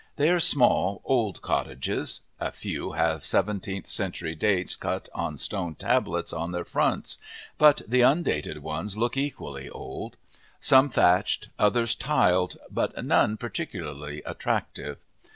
They are small, old cottages; a few have seventeenth century dates cut on stone tablets on their fronts, but the undated ones look equally old; some thatched, others tiled, but none particularly attractive.